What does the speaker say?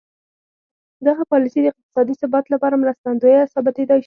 دغه پالیسي د اقتصادي ثبات لپاره مرستندویه ثابتېدای شي.